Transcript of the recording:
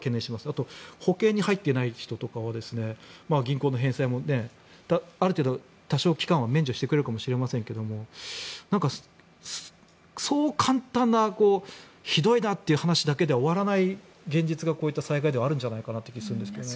あと保険に入っていない人とかは銀行の返済もある程度、多少、期間は免除してくれるかもしれませんがなんかそう簡単なひどいなという話だけでは終わらない現実がこういった災害ではあるんじゃないかという気がするんですけどね。